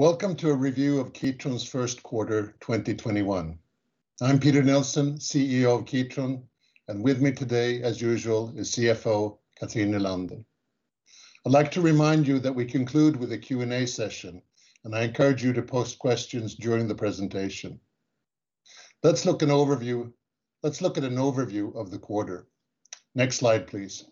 Welcome to a review of Kitron's first quarter 2021. I'm Peter Nilsson, CEO of Kitron, and with me today, as usual, is CFO Cathrin Nylander. I'd like to remind you that we conclude with a Q&A session, and I encourage you to post questions during the presentation. Let's look at an overview of the quarter. Next slide, please.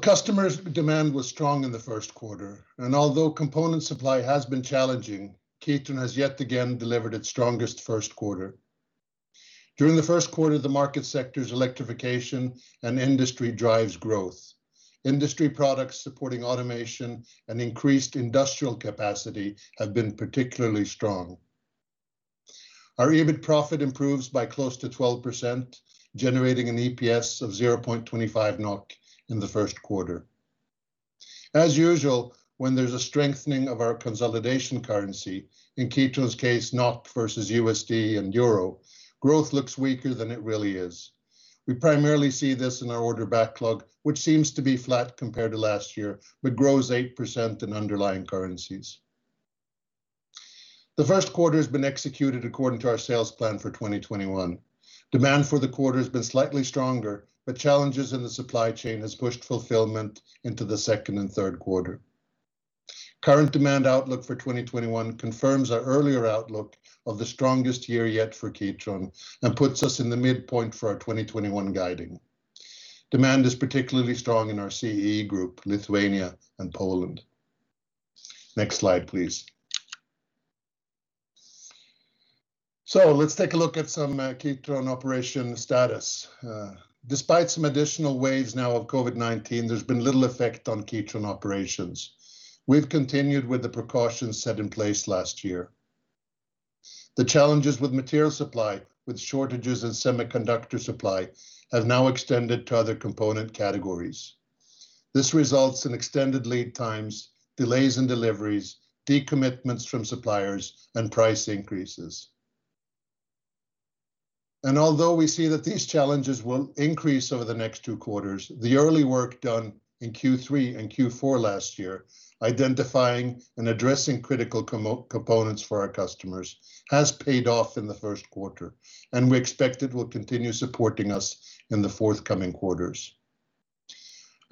Customer demand was strong in the first quarter, and although component supply has been challenging, Kitron has yet again delivered its strongest first quarter. During the first quarter, the market sectors Electrification and Industry drives growth. Industry products supporting automation and increased industrial capacity have been particularly strong. Our EBIT profit improves by close to 12%, generating an EPS of 0.25 NOK in the first quarter. As usual, when there's a strengthening of our consolidation currency, in Kitron's case, NOK versus USD and EUR, growth looks weaker than it really is. We primarily see this in our order backlog, which seems to be flat compared to last year, but grows 8% in underlying currencies. The first quarter has been executed according to our sales plan for 2021. Demand for the quarter has been slightly stronger, but challenges in the supply chain has pushed fulfillment into the second and third quarter. Current demand outlook for 2021 confirms our earlier outlook of the strongest year yet for Kitron and puts us in the midpoint for our 2021 guiding. Demand is particularly strong in our CEE group, Lithuania and Poland. Next slide, please. Let's take a look at some Kitron operation status. Despite some additional waves now of COVID-19, there's been little effect on Kitron operations. We've continued with the precautions set in place last year. The challenges with material supply, with shortages in semiconductor supply, have now extended to other component categories. This results in extended lead times, delays in deliveries, decommitments from suppliers, and price increases. Although we see that these challenges will increase over the next two quarters, the early work done in Q3 and Q4 last year identifying and addressing critical components for our customers has paid off in the first quarter, and we expect it will continue supporting us in the forthcoming quarters.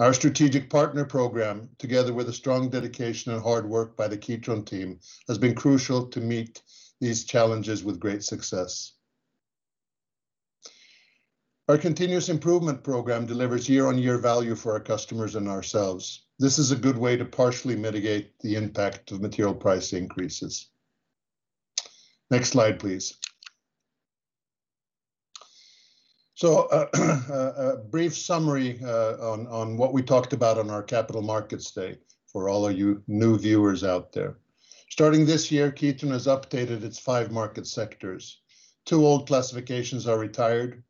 Our strategic partner program, together with a strong dedication and hard work by the Kitron team, has been crucial to meet these challenges with great success. Our continuous improvement program delivers year-on-year value for our customers and ourselves. This is a good way to partially mitigate the impact of material price increases. Next slide, please. A brief summary on what we talked about on our Capital Markets Day, for all our new viewers out there. Starting this year, Kitron has updated its five market sectors. Two old classifications are retired,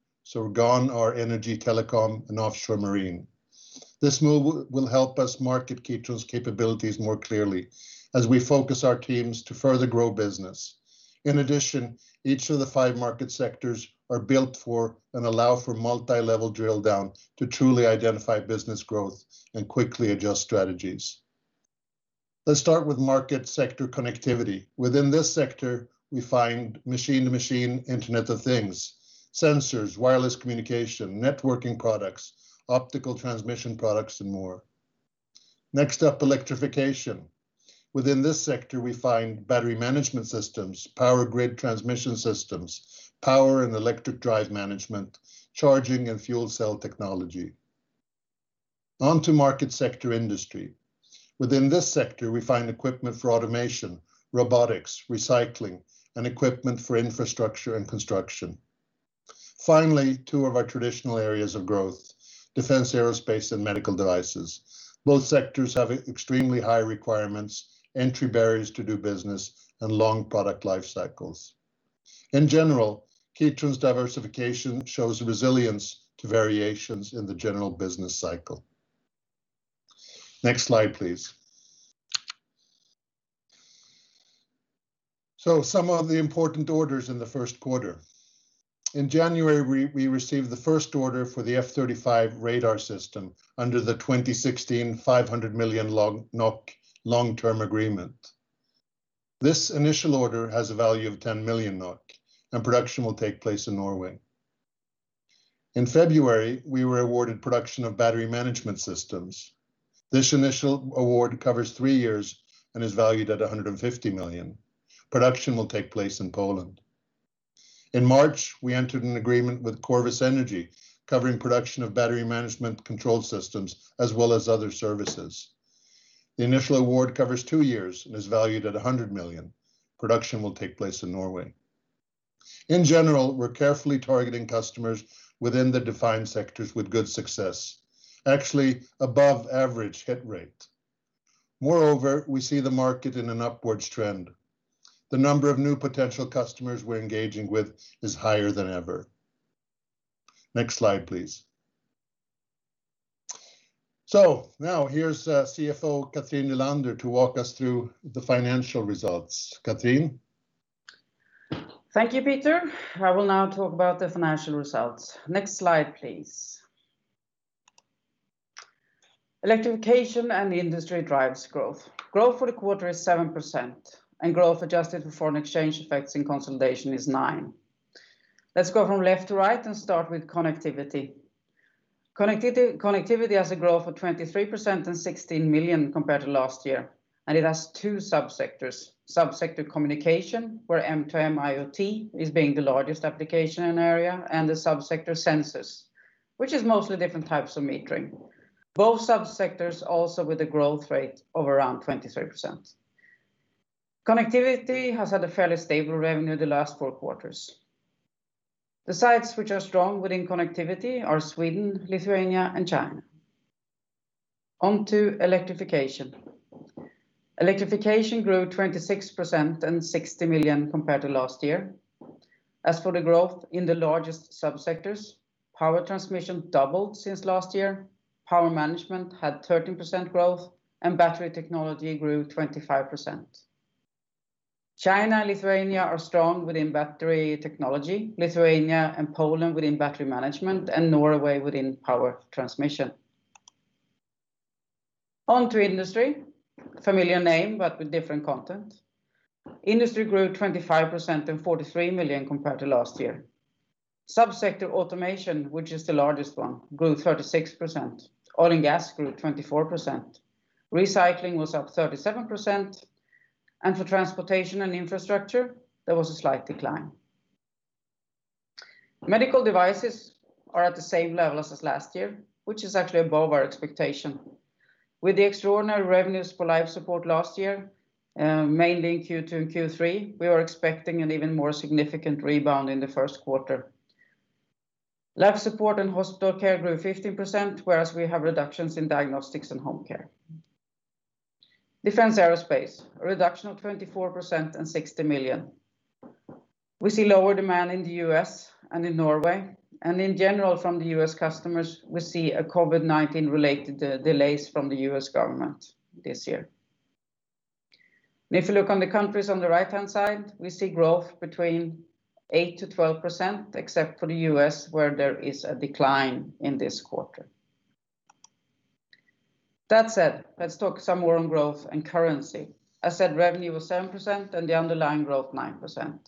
gone are Energy/Telecom, and Offshore/Marine. This move will help us market Kitron's capabilities more clearly as we focus our teams to further grow business. In addition, each of the five market sectors are built for and allow for multilevel drill-down to truly identify business growth and quickly adjust strategies. Let's start with market sector Connectivity. Within this sector, we find machine-to-machine Internet of Things, sensors, wireless communication, networking products, optical transmission products, and more. Next up, Electrification. Within this sector, we find battery management systems, power grid transmission systems, power and electric drive management, charging and fuel cell technology. On to market sector Industry. Within this sector, we find equipment for automation, robotics, recycling, and equipment for infrastructure and construction. Finally, two of our traditional areas of growth, Defence/Aerospace, and Medical Devices. Both sectors have extremely high requirements, entry barriers to do business, and long product life cycles. In general, Kitron's diversification shows resilience to variations in the general business cycle. Next slide, please. Some of the important orders in the first quarter. In January, we received the first order for the F-35 radar system under the 2016 500 million long-term agreement. This initial order has a value of 10 million NOK, and production will take place in Norway. In February, we were awarded production of battery management systems. This initial award covers three years and is valued at 150 million. Production will take place in Poland. In March, we entered an agreement with Corvus Energy covering production of battery management control systems as well as other services. The initial award covers two years and is valued at 100 million. Production will take place in Norway. In general, we're carefully targeting customers within the defined sectors with good success, actually above average hit rate. Moreover, we see the market in an upwards trend. The number of new potential customers we're engaging with is higher than ever. Next slide, please. Now here's CFO Cathrin Nylander to walk us through the financial results. Cathrin? Thank you, Peter. I will now talk about the financial results. Next slide, please. Electrification and Industry drives growth. Growth for the quarter is 7%. Growth adjusted for foreign exchange effects in consolidation is 9%. Let's go from left to right and start with Connectivity. Connectivity has a growth of 23% and 16 million compared to last year. It has two sub-sectors. Sub-sector communication, where M2M IoT is being the largest application area. The sub-sector sensors, which is mostly different types of metering. Both sub-sectors also with a growth rate of around 23%. Connectivity has had a fairly stable revenue the last four quarters. The sites which are strong within Connectivity are Sweden, Lithuania, and China. On to Electrification. Electrification grew 26% and 60 million compared to last year. As for the growth in the largest sub-sectors, power transmission doubled since last year, power management had 13% growth, and battery technology grew 25%. China and Lithuania are strong within battery technology, Lithuania and Poland within battery management, and Norway within power transmission. On to Industry, familiar name, but with different content. Industry grew 25% and 43 million compared to last year. Sub-sector automation, which is the largest one, grew 36%. Oil and gas grew 24%. Recycling was up 37%. For transportation and infrastructure, there was a slight decline. Medical Devices are at the same level as last year, which is actually above our expectation. With the extraordinary revenues for life support last year, mainly in Q2 and Q3, we were expecting an even more significant rebound in the first quarter. Life support and hospital care grew 15%, whereas we have reductions in diagnostics and home care. Defence/Aerospace, a reduction of 24% and 60 million. We see lower demand in the U.S. and in Norway, and in general from the U.S. customers, we see COVID-19 related delays from the U.S. government this year. If you look on the countries on the right-hand side, we see growth between 8%-12%, except for the U.S., where there is a decline in this quarter. That said, let's talk some more on growth and currency. I said revenue was 7% and the underlying growth 9%.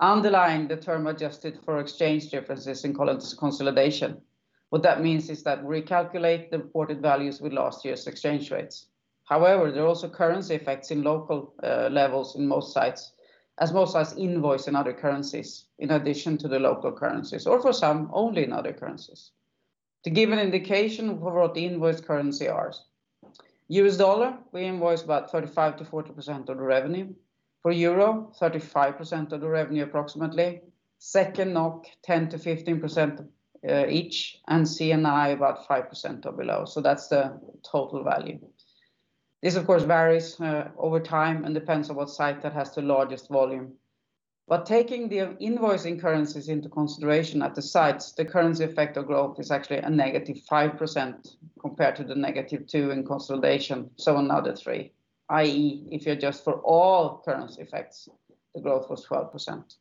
Underlying the term adjusted for exchange differences in consolidation. What that means is that we recalculate the reported values with last year's exchange rates. However, there are also currency effects in local levels in most sites, as most sites invoice in other currencies in addition to the local currencies, or for some, only in other currencies. To give an indication of what the invoice currency are. U.S. dollar, we invoice about 35%-40% of the revenue. For EUR, 35% of the revenue approximately. Second NOK, 10%-15% each. CNY about 5% or below. That's the total value. This, of course, varies over time and depends on what site that has the largest volume. Taking the invoicing currencies into consideration at the sites, the currency effect of growth is actually a -5% compared to the -2% in consolidation, so another 3% i.e., if you adjust for all currency effects, the growth was 12%.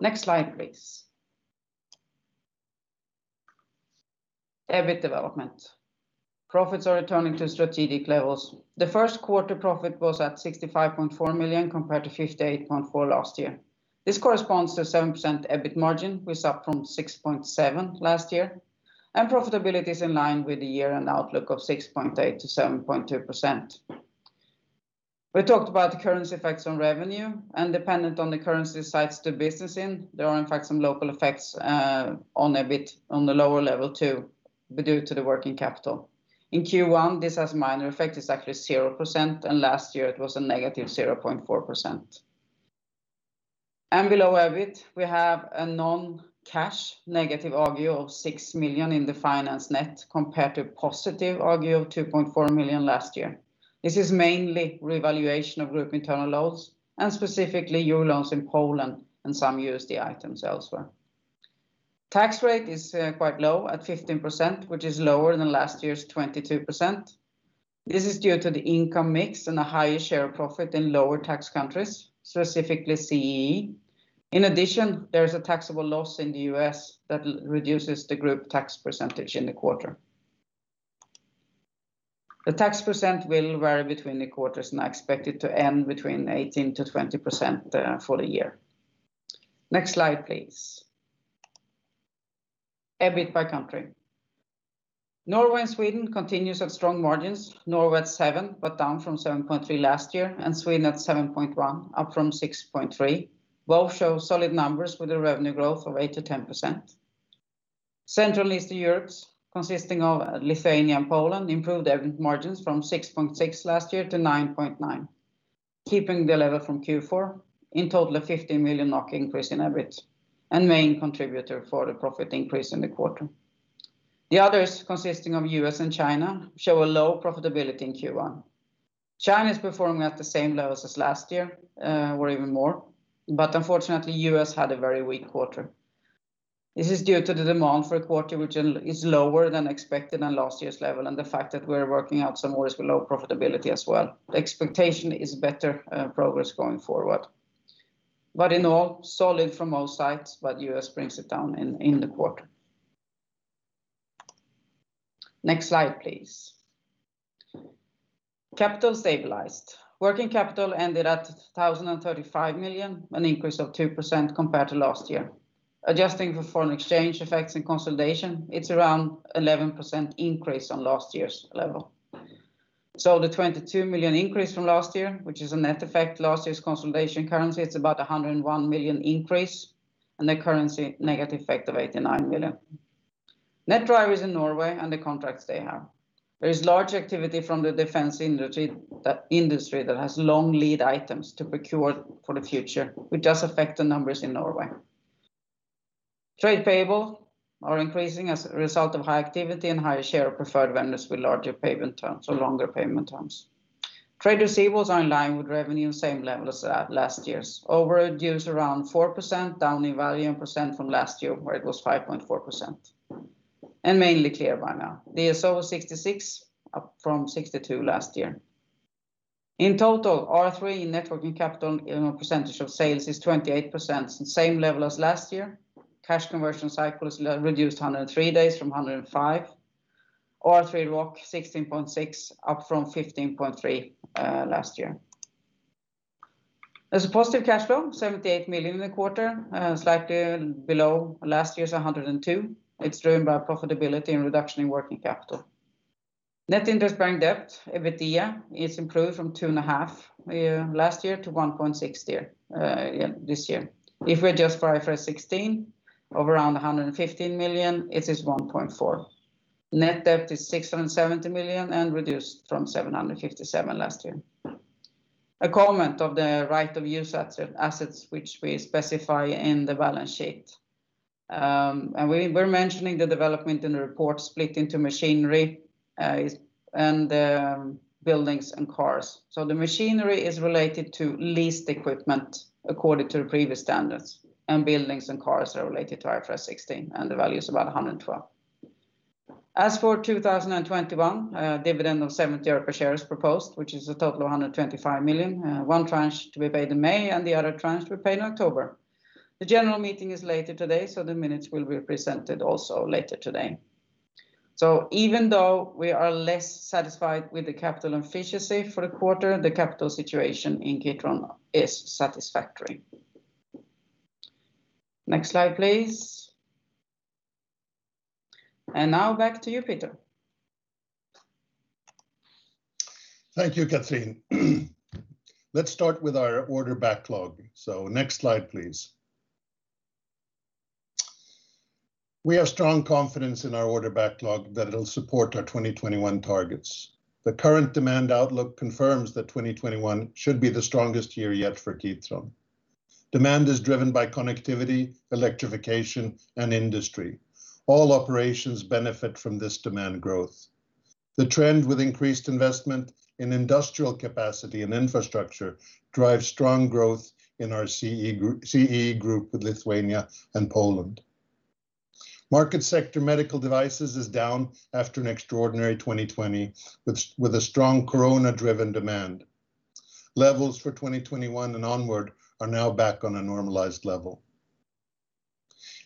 Next slide, please. EBIT development. Profits are returning to strategic levels. The first quarter profit was at 65.4 million compared to 58.4 million last year. This corresponds to 7% EBIT margin, which is up from 6.7% last year, profitability is in line with the year and outlook of 6.8% to 7.4%. We talked about the currency effects on revenue, dependent on the currency sites they're business in, there are in fact some local effects on EBIT on the lower level too, due to the working capital. In Q1, this has a minor effect. It's actually 0%, last year it was a negative 0.4%. Below EBIT, we have a non-cash negative agio of 6 million in the finance net compared to positive agio of 2.4 million last year. This is mainly revaluation of group internal loans, specifically EUR loans in Poland and some USD items elsewhere. Tax rate is quite low at 15%, which is lower than last year's 22%. This is due to the income mix and a higher share of profit in lower tax countries, specifically CEE. In addition, there is a taxable loss in the U.S. that reduces the group tax percentage in the quarter. The tax percent will vary between the quarters, and I expect it to end between 18%-20% for the year. Next slide, please. EBIT by country. Norway and Sweden continues at strong margins, Norway at 7%, but down from 7.3% last year, and Sweden at 7.1%, up from 6.3%. Both show solid numbers with a revenue growth of 8%-10%. Central and Eastern Europe, consisting of Lithuania and Poland, improved EBIT margins from 6.6% last year to 9.9%, keeping the level from Q4. In total, a 15 million NOK increase in EBIT, and main contributor for the profit increase in the quarter. The others, consisting of U.S. and China, show a low profitability in Q1. China is performing at the same levels as last year, or even more. Unfortunately, U.S. had a very weak quarter. This is due to the demand for a quarter which is lower than expected on last year's level, and the fact that we're working out some orders below profitability as well. The expectation is better progress going forward. In all, solid from all sides, but U.S. brings it down in the quarter. Next slide, please. Capital stabilized. Working capital ended at 1,035 million, an increase of 2% compared to last year. Adjusting for foreign exchange effects and consolidation, it's around 11% increase on last year's level. The 22 million increase from last year, which is a net effect, last year's consolidation currency, it's about 101 million increase, and the currency negative effect of 89 million. Net drivers in Norway and the contracts they have. There is large activity from the defense industry that has long lead items to procure for the future, which does affect the numbers in Norway. Trade payables are increasing as a result of high activity and higher share of preferred vendors with larger payment terms or longer payment terms. Trade receivables are in line with revenue, same level as last year's. [inaudible] [DIO] around 4%, down in volume percent from last year where it was 5.4%. Mainly clear by now. DSO 66, up from 62 last year. In total, R3 net working capital in percent of sales is 28%, same level as last year. Cash conversion cycle is reduced 103 days from 105. R3 ROC, 16.6%, up from 15.3% last year. There's a positive cash flow, 78 million in the quarter, slightly below last year's 102 million. It's driven by profitability and reduction in working capital. Net interest-bearing debt, EBITDA, is improved from 2.5 last year to 1.6 this year. If we adjust for IFRS 16 of around 115 million, it is 1.4. Net debt is 670 million and reduced from 757 last year. A comment of the right of use assets, which we specify in the balance sheet. We're mentioning the development in the report split into machinery and buildings and cars. The machinery is related to leased equipment according to the previous standards, and buildings and cars are related to IFRS 16, and the value is about 112. As for 2021, a dividend of NOK 0.70 per share is proposed, which is a total of 125 million, one tranche to be paid in May and the other tranche to be paid in October. The general meeting is later today. The minutes will be presented also later today. Even though we are less satisfied with the capital efficiency for the quarter, the capital situation in Kitron is satisfactory. Next slide, please. Now back to you, Peter. Thank you, Cathrin. Let's start with our order backlog. Next slide, please. We have strong confidence in our order backlog that it'll support our 2021 targets. The current demand outlook confirms that 2021 should be the strongest year yet for Kitron. Demand is driven by Connectivity, Electrification, and Industry. All operations benefit from this demand growth. The trend with increased investment in industrial capacity and infrastructure drives strong growth in our CEE group with Lithuania and Poland. Market sector Medical Devices is down after an extraordinary 2020 with a strong corona-driven demand. Levels for 2021 and onward are now back on a normalized level.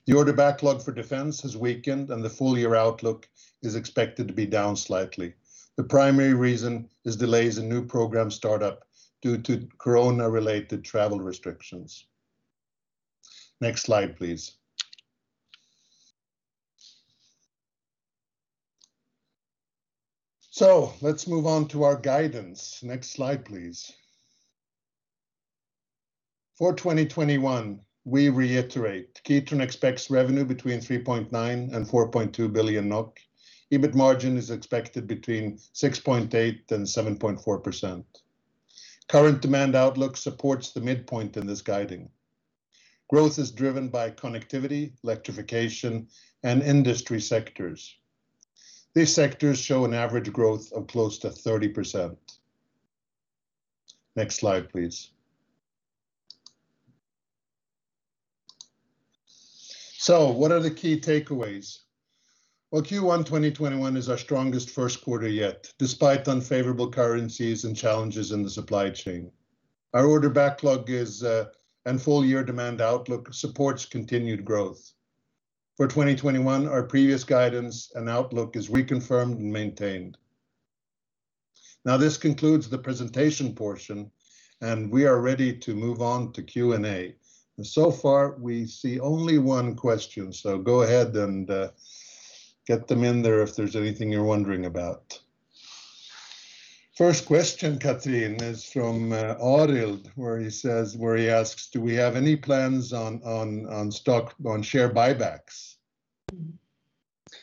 The order backlog for Defence has weakened, and the full-year outlook is expected to be down slightly. The primary reason is delays in new program startup due to corona-related travel restrictions. Next slide, please. Let's move on to our guidance. Next slide, please. For 2021, we reiterate Kitron expects revenue between 3.9 billion and 4.2 billion NOK. EBIT margin is expected between 6.8% and 7.4%. Current demand outlook supports the midpoint in this guiding. Growth is driven by Connectivity, Electrification, and Industry sectors. These sectors show an average growth of close to 30%. Next slide, please. What are the key takeaways? Well, Q1 2021 is our strongest first quarter yet, despite unfavorable currencies and challenges in the supply chain. Our order backlog and full-year demand outlook supports continued growth. For 2021, our previous guidance and outlook is reconfirmed and maintained. This concludes the presentation portion, and we are ready to move on to Q&A. So far, we see only one question, so go ahead and get them in there if there's anything you're wondering about. First question, Cathrin, is from Arild, where he asks, "Do we have any plans on share buybacks?"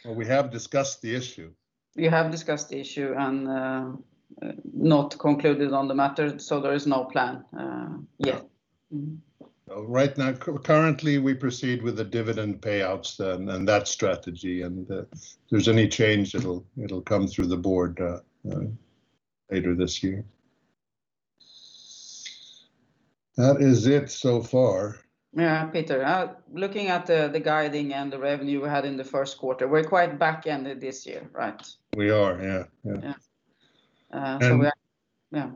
We have discussed the issue. We have discussed the issue and not concluded on the matter. There is no plan yet. Yeah. Right now, currently we proceed with the dividend payouts and that strategy, and if there's any change, it'll come through the board later this year. That is it so far. Yeah, Peter, looking at the guiding and the revenue we had in the first quarter, we're quite back-ended this year, right? We are, yeah. Yeah. We are. Yeah.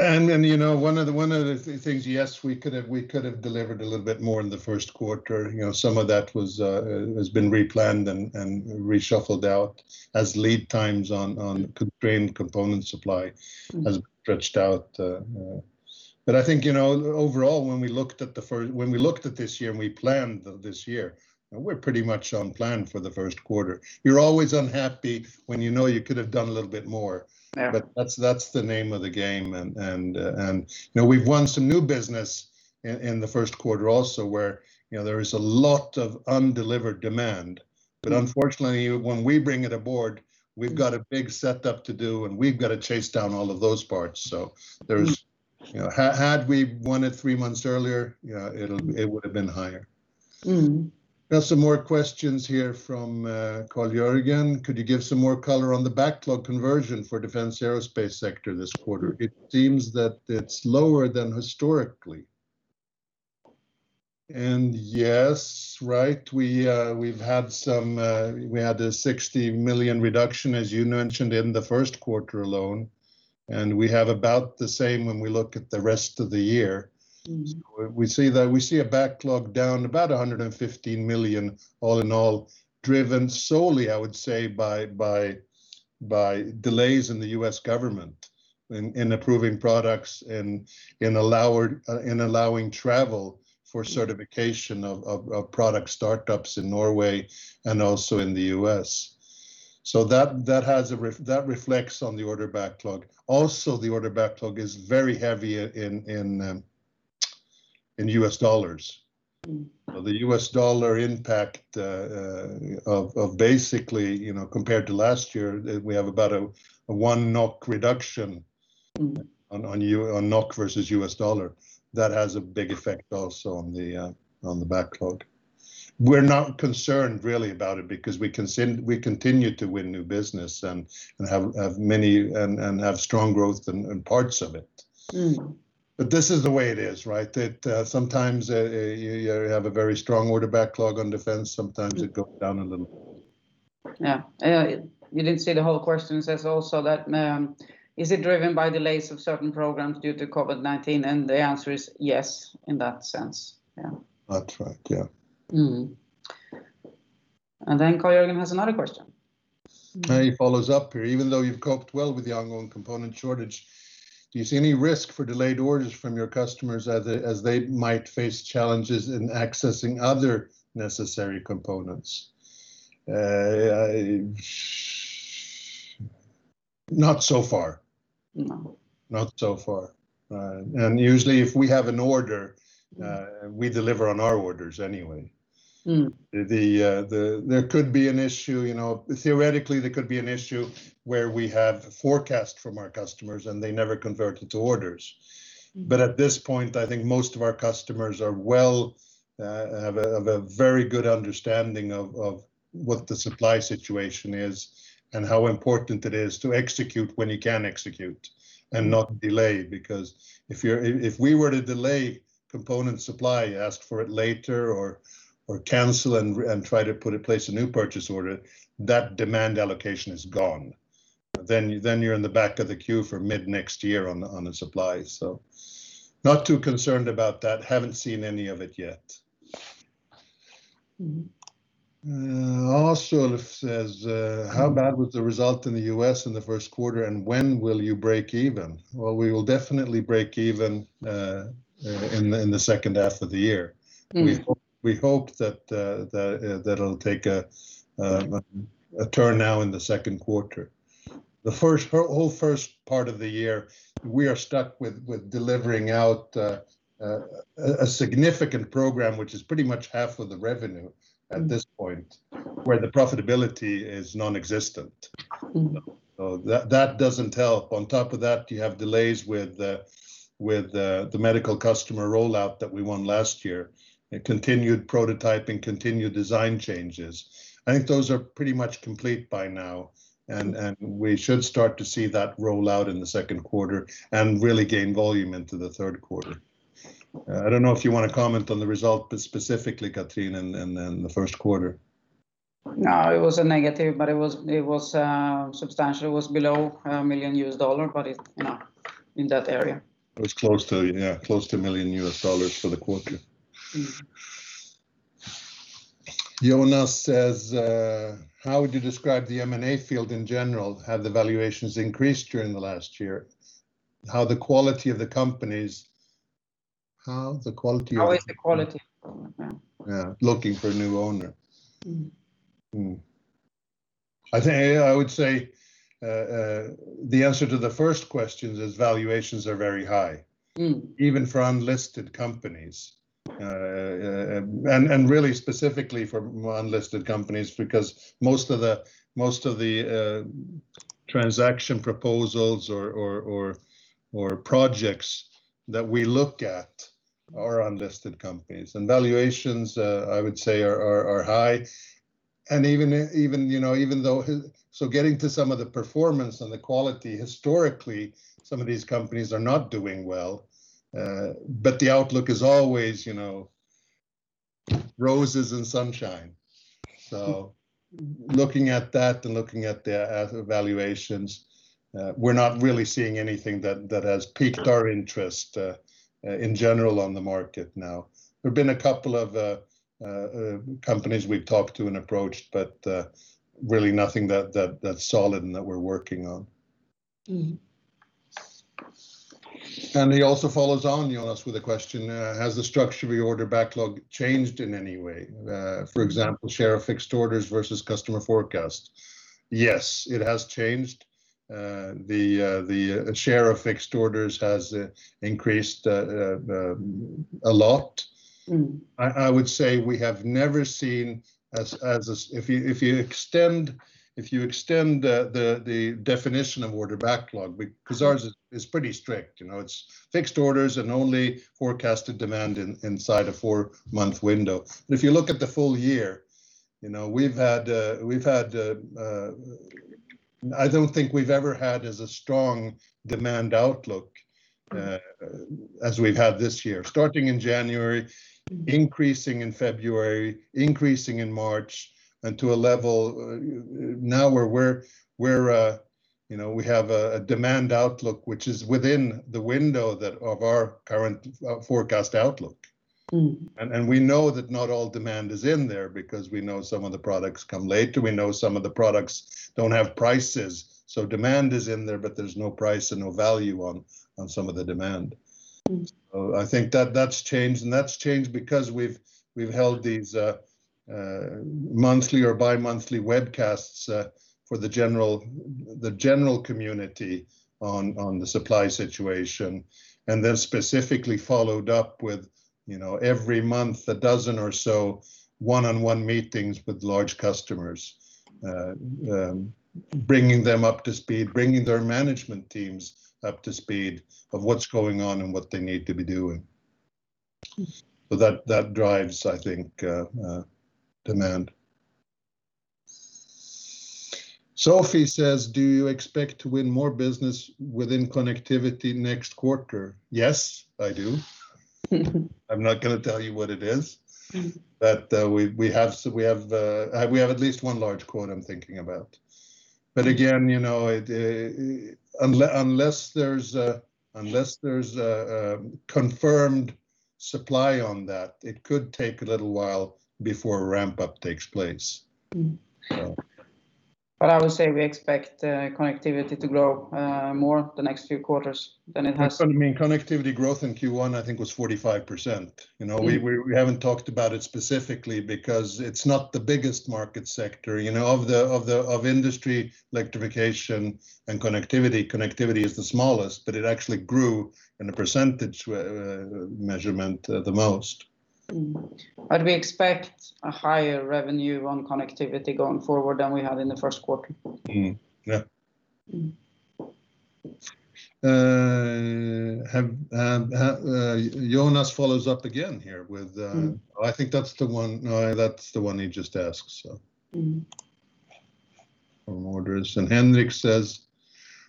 You know, one of the things, yes, we could have delivered a little bit more in the first quarter. Some of that has been replanned and reshuffled out as lead times on constrained component supply has stretched out. I think, overall, when we looked at this year and we planned this year, we're pretty much on plan for the first quarter. You're always unhappy when you know you could have done a little bit more. Yeah. That's the name of the game. We've won some new business in the first quarter also where there is a lot of undelivered demand. Unfortunately, when we bring it aboard, we've got a big setup to do, and we've got to chase down all of those parts. Had we won it three months earlier, it would've been higher. Got some more questions here from Carl Jörgen. "Could you give some more color on the backlog conversion for Defence/Aerospace sector this quarter? It seems that it's lower than historically." Yes, right. We had a 60 million reduction, as you mentioned, in the first quarter alone, and we have about the same when we look at the rest of the year. We see a backlog down about $115 million all in all, driven solely, I would say, by delays in the U.S. government in approving products and in allowing travel for certification of product startups in Norway and also in the U.S. That reflects on the order backlog. Also, the order backlog is very heavy in U.S. dollars. The U.S. dollar impact of basically, compared to last year, we have about a one NOK reduction. On NOK versus U.S. dollar. That has a big effect also on the backlog. We're not concerned really about it because we continue to win new business and have strong growth in parts of it. This is the way it is. That sometimes you have a very strong order backlog on defense, sometimes it goes down a little. Yeah. You didn't see the whole question says also that, is it driven by delays of certain programs due to COVID-19? The answer is yes, in that sense. Yeah. That's right. Yeah. Mm-hmm. Carl Jörgen has another question. He follows up here. "Even though you've coped well with the ongoing component shortage, do you see any risk for delayed orders from your customers as they might face challenges in accessing other necessary components?" Not so far. No. Not so far. Usually, if we have an order, we deliver on our orders anyway. There could be an issue, theoretically, there could be an issue where we have forecast from our customers, and they never convert it to orders. At this point, I think most of our customers have a very good understanding of what the supply situation is and how important it is to execute when you can execute and not delay. If we were to delay component supply, ask for it later, or cancel and try to put in place a new purchase order, that demand allocation is gone. You're in the back of the queue for mid-next year on a supply. Not too concerned about that, haven't seen any of it yet. How bad was the result in the U.S. in Q1, and when will you break even? Well, we will definitely break even in the second half of the year. We hope that it'll take a turn now in the second quarter. The whole first part of the year, we are stuck with delivering out a significant program, which is pretty much half of the revenue at this point, where the profitability is nonexistent. That doesn't help. On top of that, you have delays with the medical customer rollout that we won last year, continued prototyping, continued design changes. I think those are pretty much complete by now, and we should start to see that roll out in the second quarter and really gain volume into the third quarter. I don't know if you want to comment on the result specifically, Cathrin, in the first quarter. No, it was a negative, but it was substantial. It was below $1 million, but in that area. It was close to $1 million for the quarter. Jonas says, "How would you describe the M&A field in general? Have the valuations increased during the last year? How the quality of the companies? How is the quality of the companies? Yeah. Looking for a new owner. I would say the answer to the first questions is valuations are very high. Even for unlisted companies. Really, specifically for unlisted companies because most of the transaction proposals or projects that we look at are unlisted companies. Valuations, I would say, are high. Even though getting to some of the performance and the quality, historically, some of these companies are not doing well. The outlook is always roses and sunshine. Looking at that and looking at their valuations, we're not really seeing anything that has piqued our interest in general on the market now. There've been a couple of companies we've talked to and approached, but really nothing that's solid and that we're working on. He also follows on, Jonas, with a question, "Has the structure of your order backlog changed in any way? For example, share of fixed orders versus customer forecast?" Yes, it has changed. The share of fixed orders has increased a lot. I would say we have never seen, if you extend the definition of order backlog, because ours is pretty strict. It's fixed orders and only forecasted demand inside a four-month window. If you look at the full year, I don't think we've ever had as a strong demand outlook as we've had this year. Starting in January, increasing in February, increasing in March, and to a level now where we have a demand outlook which is within the window of our current forecast outlook. We know that not all demand is in there because we know some of the products come later. We know some of the products don't have prices. Demand is in there, but there's no price and no value on some of the demand. I think that that's changed, and that's changed because we've held these monthly or bi-monthly webcasts for the general community on the supply situation, and then specifically followed up with every month, a dozen or so one-on-one meetings with large customers. Bringing them up to speed, bringing their management teams up to speed of what's going on and what they need to be doing. That drives, I think, demand. Sophie says, "Do you expect to win more business within Connectivity next quarter?" Yes, I do. I'm not going to tell you what it is. We have at least one large quote I'm thinking about. Again, you know, unless there's a confirmed supply on that, it could take a little while before a ramp-up takes place. Mm-hmm. I would say we expect Connectivity to grow more the next few quarters than it has. Connectivity growth in Q1, I think was 45%. We haven't talked about it specifically because it's not the biggest market sector. You know, of Industry, Electrification and Connectivity is the smallest, but it actually grew in a percentage measurement the most. Mm-hmm. We expect a higher revenue on Connectivity going forward than we had in the first quarter. Mm-hmm. Yeah. Jonas follows up again here. Oh, I think that's the one he just asked, so. From orders. Henrik says,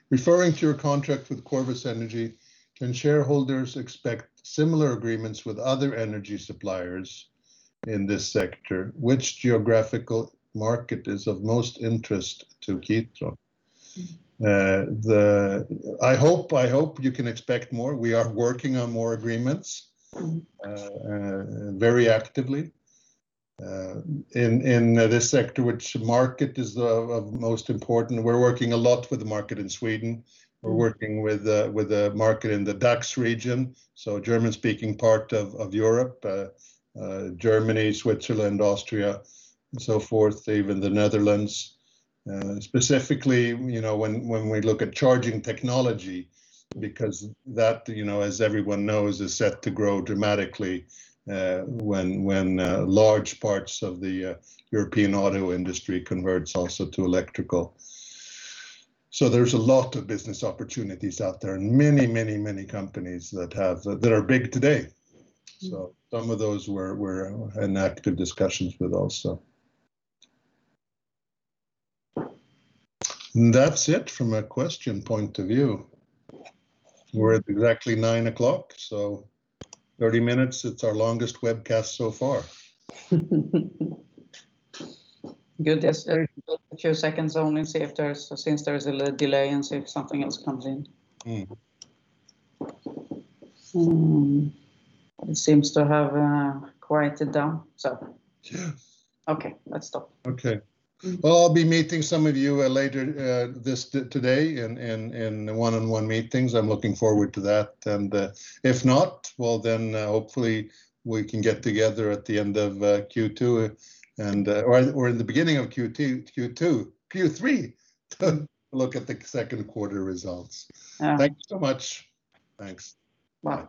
"Referring to your contract with Corvus Energy, can shareholders expect similar agreements with other energy suppliers in this sector? Which geographical market is of most interest to Kitron? I hope you can expect more. We are working on more agreements.very actively in this sector. Which market is of most important, we're working a lot with the market in Sweden. We're working with the market in the DACH region, German-speaking part of Europe, Germany, Switzerland, Austria, and so forth, even the Netherlands. Specifically, when we look at charging technology, because that, as everyone knows, is set to grow dramatically when large parts of the European auto industry converts also to electrical. There's a lot of business opportunities out there and many, many, many companies that are big today. Some of those we're in active discussions with also. That's it from a question point of view. We're at exactly 9:00 A.M., so 30 minutes. It's our longest webcast so far. Good. Yes, a few seconds only since there is a little delay and see if something else comes in. It seems to have quieted down. Yes. Okay, let's stop. Okay. Well, I'll be meeting some of you later today in one-on-one meetings. I'm looking forward to that. If not, well then hopefully we can get together at the end of Q2, or in the beginning of Q2, Q3, to look at the second quarter results. Yeah. Thank you so much. Thanks. Bye.